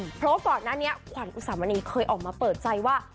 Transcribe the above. เพราะตอนนั้นเนี่ยขวัญอุสามณีเคยออกมาเปิดใจว่า